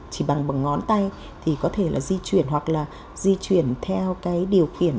chỉ bằng bằng ngón tay thì có thể là di chuyển hoặc là di chuyển theo cái điều khiển